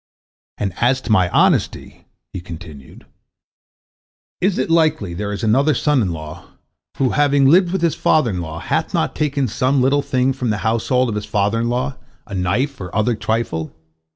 And as to my honesty," he continued, "is it likely there is another son in law who, having lived with his father in law, hath not taken some little thing from the household of his father in law, a knife, or other trifle?